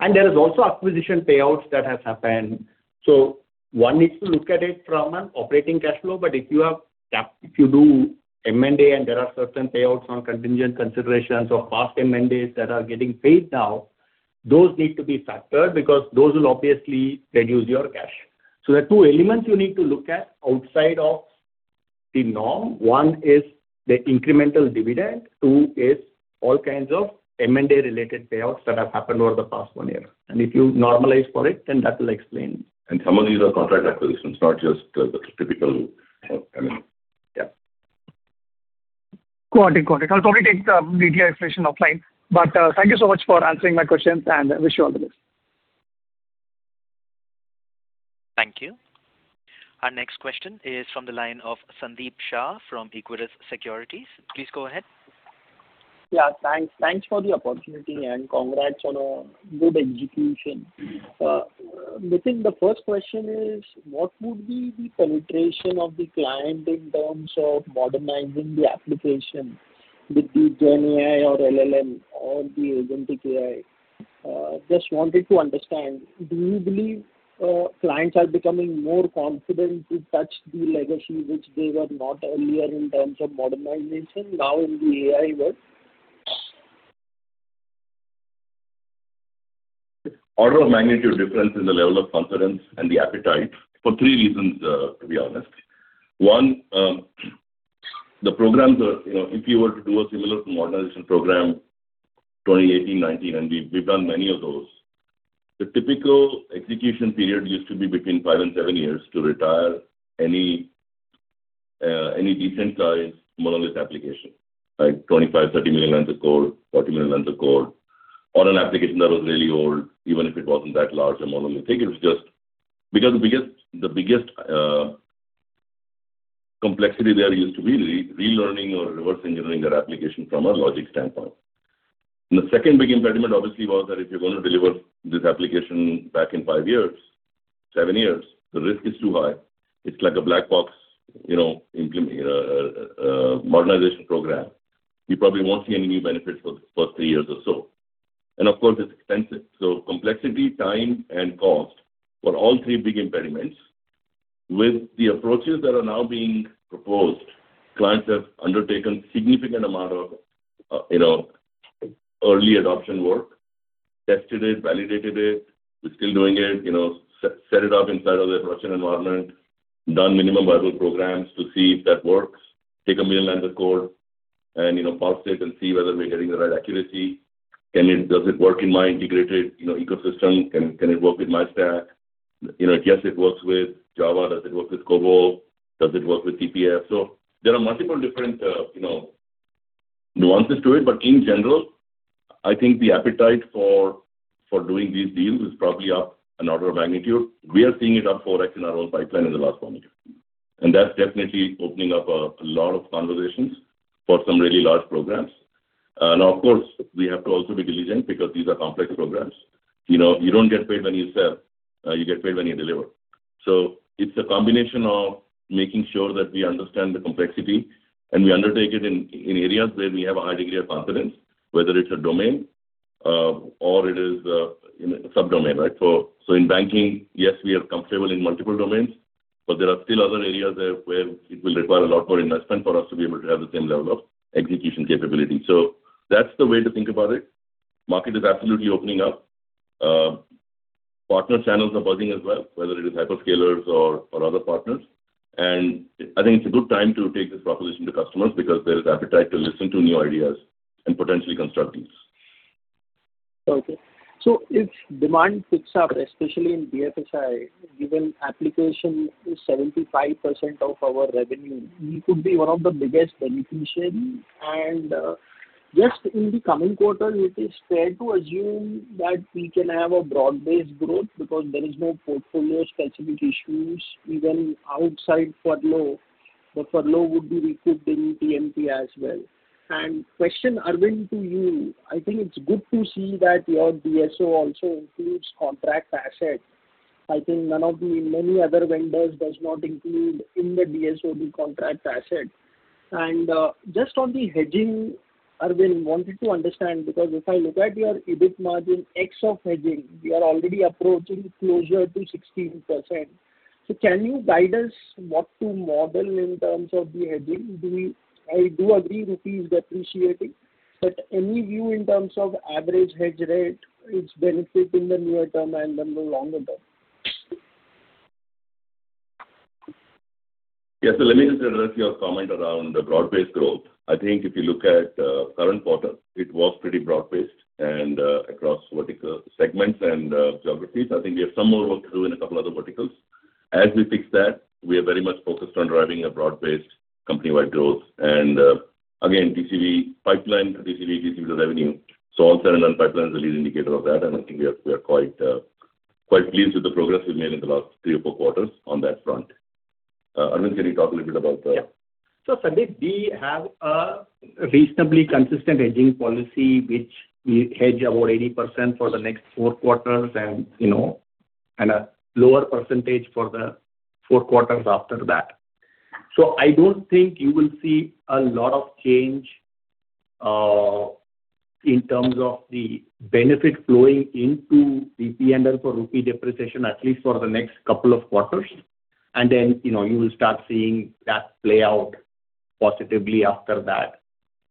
And there is also acquisition payouts that have happened. So one needs to look at it from an operating cash flow, but if you do M&A and there are certain payouts on contingent considerations or past M&As that are getting paid now, those need to be factored because those will obviously reduce your cash. So there are two elements you need to look at outside of the norm. One is the incremental dividend. Two is all kinds of M&A-related payouts that have happened over the past one year. And if you normalize for it, then that will explain. And some of these are contract acquisitions, not just the typical—I mean, yeah. Got it. Got it. I'll probably take the detailed explanation offline. But thank you so much for answering my questions and wish you all the best. Thank you. Our next question is from the line of Sandeep Shah from Equirus Securities. Please go ahead. Yeah, thanks. Thanks for the opportunity and congrats on a good execution. Nitin, the first question is, what would be the penetration of the client in terms of modernizing the application with the GenAI or LLM or the agentic AI? Just wanted to understand, do you believe clients are becoming more confident to touch the legacy which they were not earlier in terms of modernization now in the AI world? Order of magnitude difference in the level of confidence and the appetite for three reasons, to be honest. One, the programs, if you were to do a similar modernization program 2018, 2019, and we've done many of those, the typical execution period used to be between five and seven years to retire any decent-sized monolith application, like 25-30 million lines of code, 40 million lines of code, or an application that was really old, even if it wasn't that large a monolith. I think it was just because the biggest complexity there used to be relearning or reverse engineering that application from a logic standpoint. The second big impediment, obviously, was that if you're going to deliver this application back in five years, seven years, the risk is too high. It's like a black box modernization program. You probably won't see any new benefits for the first three years or so. And of course, it's expensive. Complexity, time, and cost were all three big impediments. With the approaches that are now being proposed, clients have undertaken a significant amount of early adoption work, tested it, validated it. We're still doing it. Set it up inside of the production environment, done minimum viable products to see if that works, take a million lines of code, and parse it and see whether we're getting the right accuracy. Does it work in my integrated ecosystem? Can it work with my stack? Yes, it works with Java. Does it work with COBOL? Does it work with TPS? So there are multiple different nuances to it, but in general, I think the appetite for doing these deals is probably up an order of magnitude. We are seeing it up 10X in our own pipeline in the last one year. And that's definitely opening up a lot of conversations for some really large programs. Now, of course, we have to also be diligent because these are complex programs. You don't get paid when you sell. You get paid when you deliver. So it's a combination of making sure that we understand the complexity and we undertake it in areas where we have a high degree of confidence, whether it's a domain or it is a subdomain, right? So in banking, yes, we are comfortable in multiple domains, but there are still other areas where it will require a lot more investment for us to be able to have the same level of execution capability. So that's the way to think about it. Market is absolutely opening up. Partner channels are buzzing as well, whether it is hyperscalers or other partners. And I think it's a good time to take this proposition to customers because there is appetite to listen to new ideas and potentially construct deals. Okay. So if demand picks up, especially in BFSI, given application is 75% of our revenue, we could be one of the biggest beneficiaries. And just in the coming quarter, it is fair to assume that we can have a broad-based growth because there are no portfolio-specific issues, even outside furlough. The furlough would be recouped in TMP as well. Question, Aravind, to you. I think it's good to see that your DSO also includes contract assets. I think none of the many other vendors do not include in the DSO the contract asset. And just on the hedging, Aravind, wanted to understand because if I look at your EBIT margin, ex of hedging, we are already approaching closer to 16%. So can you guide us what to model in terms of the hedging? I do agree Rupees depreciating, but any view in terms of average hedge rate, its benefit in the near term and then the longer term? Yeah, so let me just address your comment around the broad-based growth. I think if you look at the current quarter, it was pretty broad-based and across vertical segments and geographies. I think we have some more work to do in a couple of other verticals. As we fix that, we are very much focused on driving a broad-based company-wide growth. And again, TCV pipeline, TCV, TCV to revenue. So all seven pipelines are lead indicators of that, and I think we are quite pleased with the progress we've made in the last three or four quarters on that front. Arvind, can you talk a little bit about the. Yeah. So Sandeep, we have a reasonably consistent hedging policy, which we hedge about 80% for the next four quarters and a lower percentage for the four quarters after that. So I don't think you will see a lot of change in terms of the benefit flowing into the P&L and then from Rupee depreciation, at least for the next couple of quarters. And then you will start seeing that play out positively after that.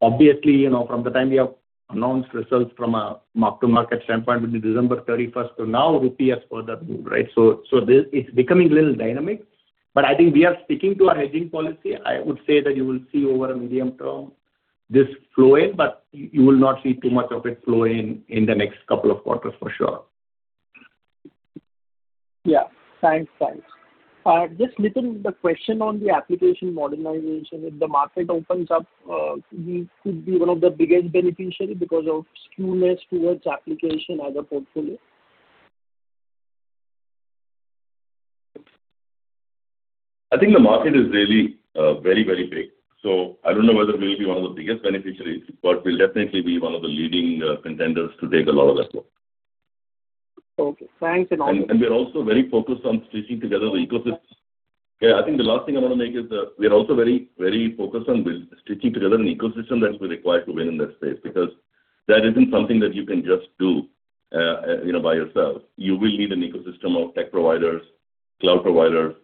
Obviously, from the time we have announced results from a mark-to-market standpoint with December 31st to now, Rupee has further moved, right? So it's becoming a little dynamic. But I think we are sticking to our hedging policy. I would say that you will see over a medium term this flow in, but you will not see too much of it flow in in the next couple of quarters for sure. Yeah. Thanks. Thanks. Just Nitin, the question on the application modernization, if the market opens up, we could be one of the biggest beneficiaries because of skewness towards application as a portfolio. I think the market is really very, very big. So I don't know whether we'll be one of the biggest beneficiaries, but we'll definitely be one of the leading contenders to take a lot of that work. Okay. Thanks enough. We're also very focused on stitching together the ecosystem. Yeah, I think the last thing I want to make is that we're also very, very focused on stitching together an ecosystem that we're required to win in that space because that isn't something that you can just do by yourself. You will need an ecosystem of tech providers, cloud providers,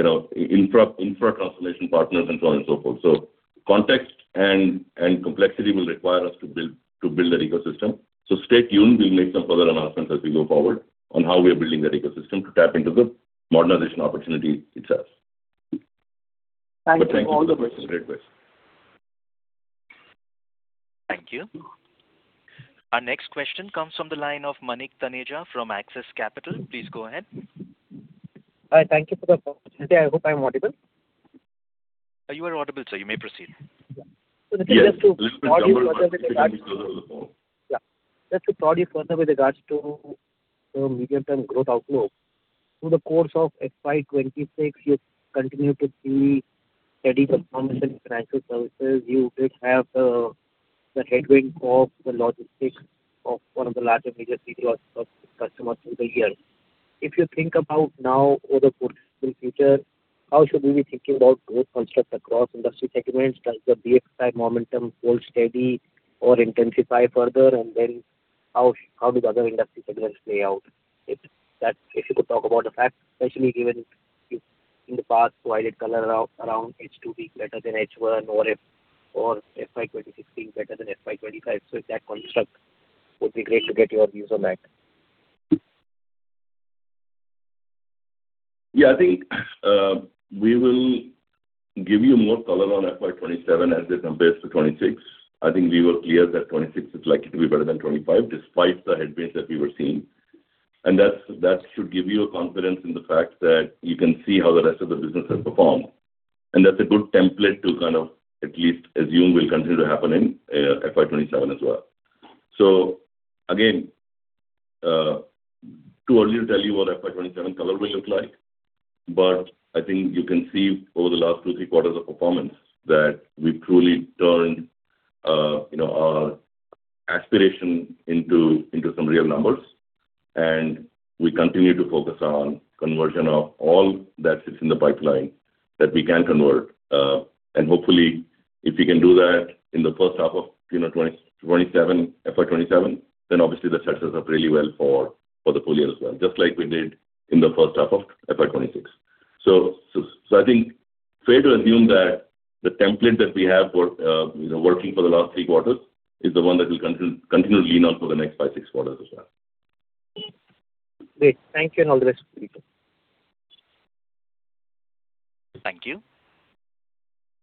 infra transformation partners, and so on and so forth. So context and complexity will require us to build that ecosystem. So stay tuned. We'll make some further announcements as we go forward on how we are building that ecosystem to tap into the modernization opportunity itself. Thank you. Thank you for all the questions. Great questions. Thank you. Our next question comes from the line of Manik Taneja from Axis Capital. Please go ahead. Hi. Thank you for the opportunity. I hope I'm audible. You are audible, sir. You may proceed. So Nitin, just to prod you further with regard to the medium-term growth outlook. Through the course of FY26, you continue to see steady performance in financial services. You did have the headwind in the logistics and one of the largest major clients in the year. If you think about now or the foreseeable future, how should we be thinking about growth construct across industry segments? Does the BFSI momentum hold steady or intensify further? And then how do the other industry segments play out? If you could talk about that, especially given in the past, provide color around why H2 be better than H1 or FY26 being better than FY25. So on that construct, it would be great to get your views on that. Yeah, I think we will give you more color on FY27 as it compares to 2026. I think we were clear that 2026 is likely to be better than 2025, despite the headwinds that we were seeing. And that should give you a confidence in the fact that you can see how the rest of the business has performed. And that's a good template to kind of at least assume will continue to happen in FY27 as well. So again, too early to tell you what FY27 color will look like, but I think you can see over the last two, three quarters of performance that we've truly turned our aspiration into some real numbers. And we continue to focus on conversion of all that sits in the pipeline that we can convert. And hopefully, if we can do that in the first half of 2027, FY27, then obviously the chances are really well for the full year as well, just like we did in the first half of FY26. So I think fair to assume that the template that we have working for the last three quarters is the one that will continue to lean on for the next five, six quarters as well. Great. Thank you, and all the best to you too. Thank you.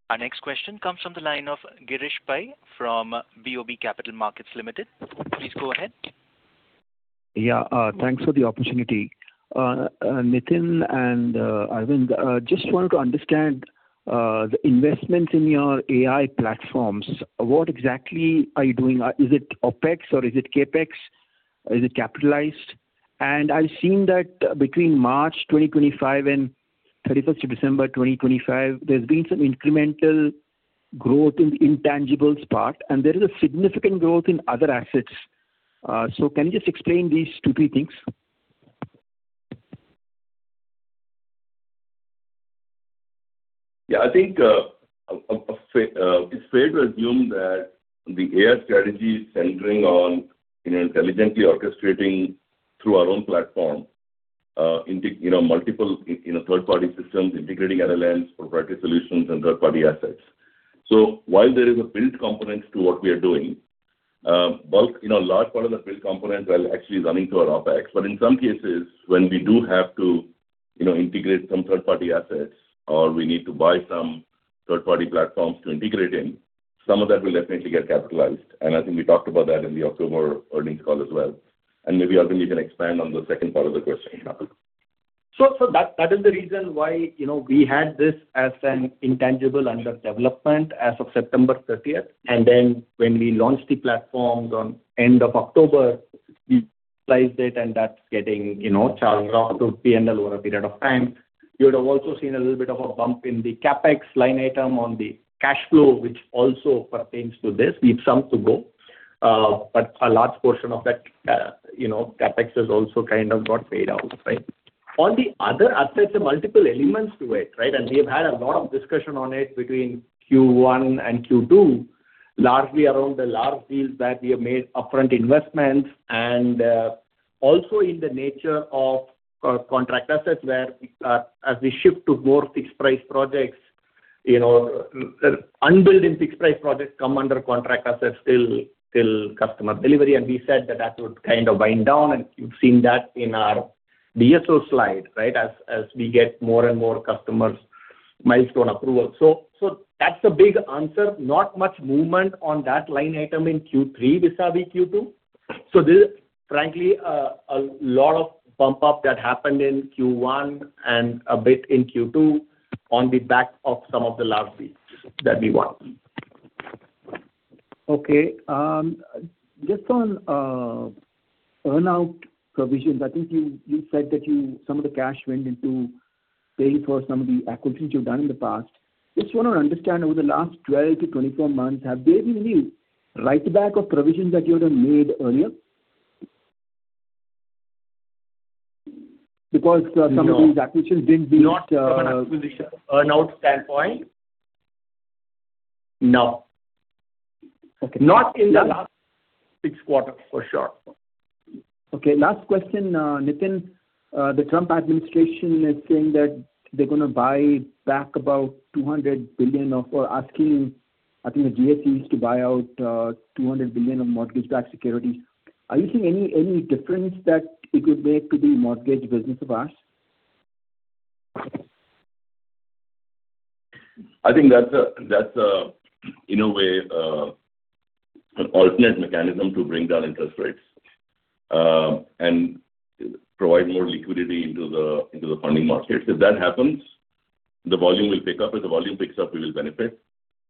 Our next question comes from the line of Girish Pai from BOB Capital Markets Limited. Please go ahead. Yeah. Thanks for the opportunity. Nitin and Aravind, just wanted to understand the investments in your AI platforms. What exactly are you doing? Is it OpEx or is it CapEx? Is it capitalized? I've seen that between March 2025 and 31st of December 2025, there's been some incremental growth in the intangibles part, and there is a significant growth in other assets. Can you just explain these two three things? Yeah, I think it's fair to assume that the AI strategy is centering on intelligently orchestrating through our own platform, multiple third-party systems, integrating LLMs, proprietary solutions, and third-party assets. While there is a built component to what we are doing, a large part of the built component while actually running through our OpEx. But in some cases, when we do have to integrate some third-party assets or we need to buy some third-party platforms to integrate in, some of that will definitely get capitalized. I think we talked about that in the October earnings call as well. Maybe Aravind, you can expand on the second part of the question. That is the reason why we had this as an intangible under development as of September 30th. Then when we launched the platforms on end of October, we utilized it, and that's getting charged off to P&L over a period of time. You would have also seen a little bit of a bump in the CapEx line item on the cash flow, which also pertains to this. We've some to go, but a large portion of that CapEx has also kind of got paid out, right? On the other assets, there are multiple elements to it, right? We have had a lot of discussion on it between Q1 and Q2, largely around the large deals that we have made upfront investments and also in the nature of contract assets where as we shift to more fixed-price projects, unbilled in fixed-price projects come under contract assets till customer delivery. We said that that would kind of wind down, and you've seen that in our DSO slide, right, as we get more and more customers' milestone approval. That's the big answer. Not much movement on that line item in Q3 vis-à-vis Q2. Frankly, a lot of bump-up that happened in Q1 and a bit in Q2 on the back of some of the large deals that we won. Okay. Just on earnout provisions, I think you said that some of the cash went into paying for some of the acquisitions you've done in the past. Just want to understand over the last 12-24 months, have there been any write-back of provisions that you had made earlier? Because some of these acquisitions— Not from an acquisition earnout standpoint? No. Not in the last six quarters, for sure. Okay. Last question, Nitin, the Trump administration is saying that they're going to buy back about $200 billion or asking, I think, the GSEs to buy out $200 billion of mortgage-backed securities. Are you seeing any difference that it would make to the mortgage business of us? I think that's a, in a way, an alternate mechanism to bring down interest rates and provide more liquidity into the funding market. If that happens, the volume will pick up. If the volume picks up, we will benefit.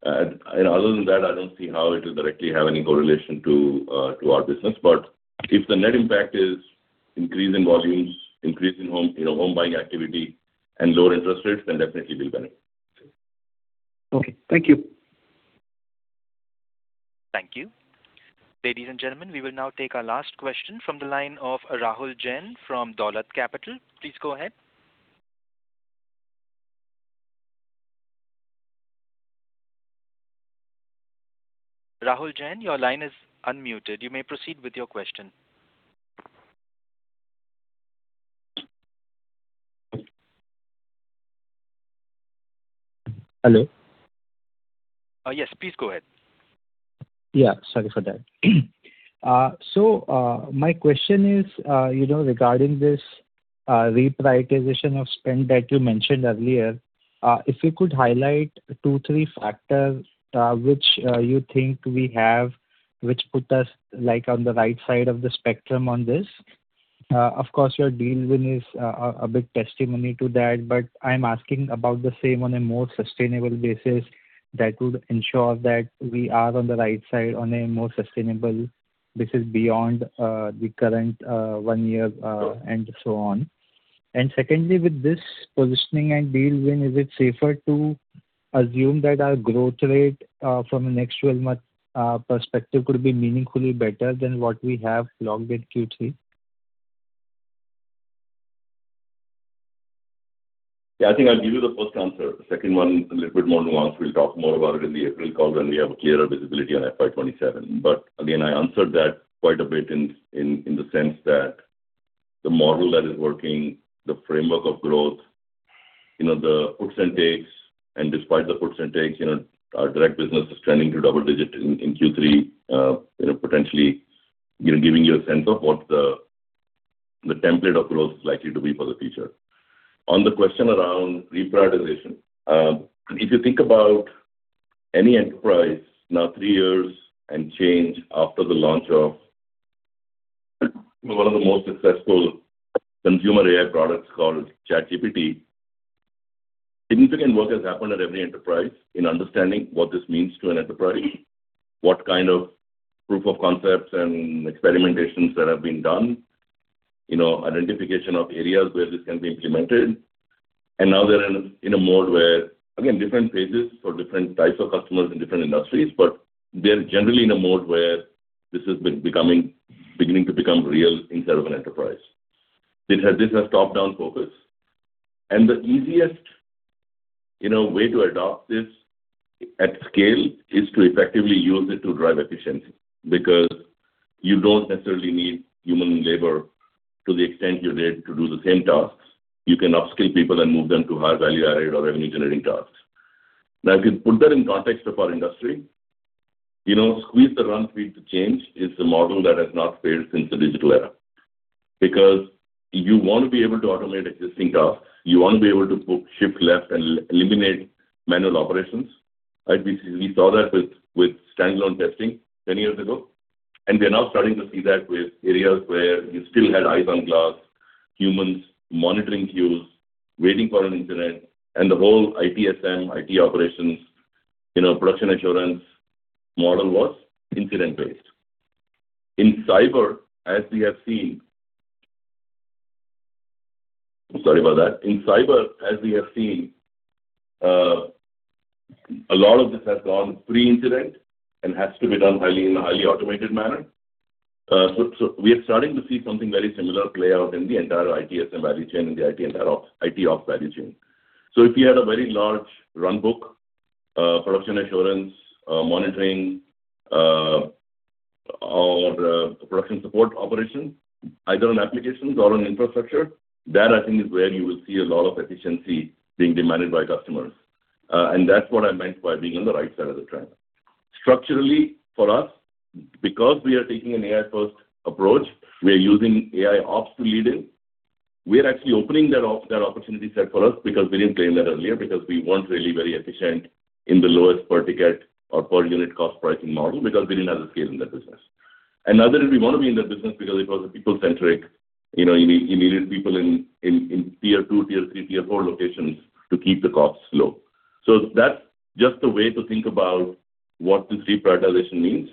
And other than that, I don't see how it will directly have any correlation to our business. But if the net impact is increase in volumes, increase in home buying activity, and lower interest rates, then definitely we'll benefit. Okay. Thank you. Thank you. Ladies and gentlemen, we will now take our last question from the line of Rahul Jain from Dolat Capital. Please go ahead. Rahul Jain, your line is unmuted. You may proceed with your question. Hello? Yes, please go ahead. Yeah. Sorry for that. So my question is regarding this reprioritization of spend that you mentioned earlier, if you could highlight two, three factors which you think we have which put us on the right side of the spectrum on this. Of course, your deal with this is a big testimony to that, but I'm asking about the same on a more sustainable basis that would ensure that we are on the right side on a more sustainable basis beyond the current one-year and so on. And secondly, with this positioning and deal win, is it safer to assume that our growth rate from an actual perspective could be meaningfully better than what we have logged in Q3? Yeah, I think I'll give you the first answer. The second one is a little bit more nuanced. We'll talk more about it in the April call when we have a clearer visibility on FY27. But again, I answered that quite a bit in the sense that the model that is working, the framework of growth, the puts and takes, and despite the puts and takes, our direct business is trending to double-digit in Q3, potentially giving you a sense of what the template of growth is likely to be for the future. On the question around reprioritization, if you think about any enterprise now, three years and change after the launch of one of the most successful consumer AI products called ChatGPT, significant work has happened at every enterprise in understanding what this means to an enterprise, what kind of proof of concepts and experimentations that have been done, identification of areas where this can be implemented. And now they're in a mode where, again, different phases for different types of customers in different industries, but they're generally in a mode where this is beginning to become real inside of an enterprise. This has top-down focus. And the easiest way to adopt this at scale is to effectively use it to drive efficiency because you don't necessarily need human labor to the extent you're ready to do the same tasks. You can upskill people and move them to higher value-added or revenue-generating tasks. Now, if you put that in context of our industry, squeeze the run-through to change is the model that has not failed since the digital era because you want to be able to automate existing tasks. You want to be able to shift left and eliminate manual operations. We saw that with standalone testing 10 years ago. We're now starting to see that with areas where you still had eyes on glass, humans monitoring queues, waiting for an incident, and the whole ITSM, IT operations, production assurance model was incident-based. In cyber, as we have seen. Sorry about that. In cyber, as we have seen, a lot of this has gone pre-incident and has to be done in a highly automated manner. So we are starting to see something very similar play out in the entire ITSM value chain and the ITOP value chain. So if you had a very large runbook, production assurance, monitoring, or production support operations, either on applications or on infrastructure, that I think is where you will see a lot of efficiency being demanded by customers. And that's what I meant by being on the right side of the trend. Structurally, for us, because we are taking an AI-first approach, we are using AIOps to lead in. We are actually opening that opportunity set for us because we didn't claim that earlier because we weren't really very efficient in the lowest per-ticket or per-unit cost pricing model because we didn't have the skill in that business. And now that we want to be in that business because it was a people-centric, you needed people in tier two, tier three, tier four locations to keep the costs low. So that's just the way to think about what this reprioritization means.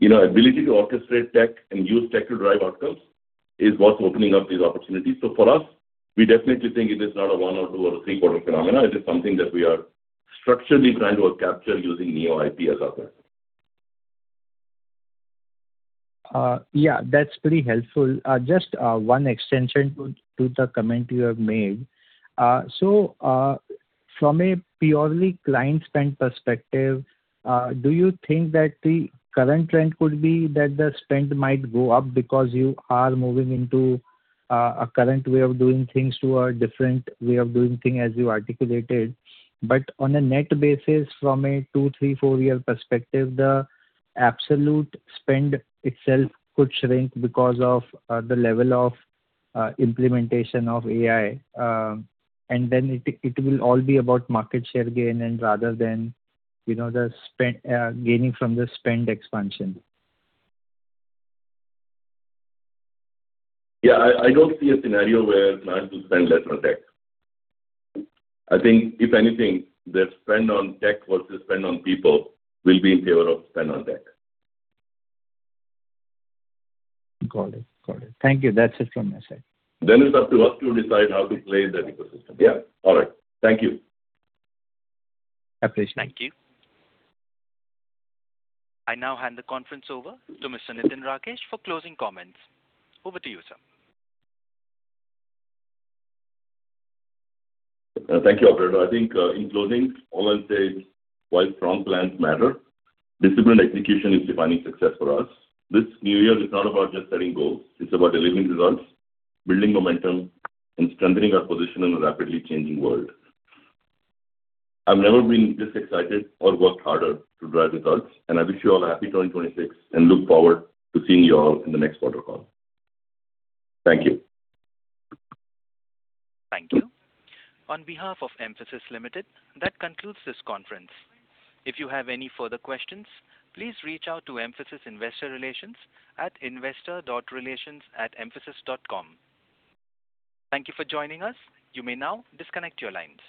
Ability to orchestrate tech and use tech to drive outcomes is what's opening up these opportunities. So for us, we definitely think it is not a one- or two- or a three-quarter phenomenon. It is something that we are structurally trying to capture using NeoIP as our platform. Yeah, that's pretty helpful. Just one extension to the comment you have made. So from a purely client-spend perspective, do you think that the current trend could be that the spend might go up because you are moving into a current way of doing things to a different way of doing things as you articulated, but on a net basis, from a two, three, four-year perspective, the absolute spend itself could shrink because of the level of implementation of AI, and then it will all be about market share gain rather than the gaining from the spend expansion. Yeah, I don't see a scenario where clients will spend less on tech. I think, if anything, the spend on tech versus spend on people will be in favor of spend on tech. Got it. Got it. Thank you. That's it from my side. Then it's up to us to decide how to play in that ecosystem. Yeah. All right. Thank you. Appreciate it. Thank you. I now hand the conference over to Mr. Nitin Rakesh for closing comments. Over to you, sir. Thank you, Aravind. I think in closing, all I'll say is while strong plans matter, disciplined execution is defining success for us. This new year is not about just setting goals. It's about delivering results, building momentum, and strengthening our position in a rapidly changing world. I've never been this excited or worked harder to drive results. And I wish you all a happy 2026 and look forward to seeing you all in the next quarter call. Thank you. Thank you. On behalf of Mphasis Limited, that concludes this conference. If you have any further questions, please reach out to Mphasis Investor Relations at investor.relations@mphasis.com. Thank you for joining us. You may now disconnect your lines.